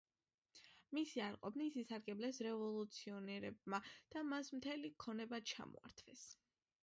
მისი არ ყოფნით ისარგებლეს რევოლუციონერებმა და მას მთელი ქონება ჩამოართვეს.